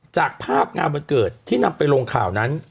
จากภาพงานวันเกิดที่นำไปลงข่าวนั้น